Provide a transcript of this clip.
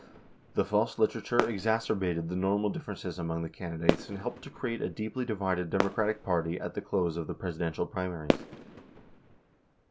94 The false literature exac erbated the normal differences among the candidates and helped to create a deeply divided Democratic Party at the close of the Presiden tial primaries.